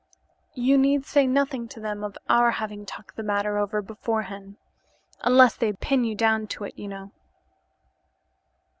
"You need say nothing to them of our having talked the matter over beforehand unless they pin you down to it, you know."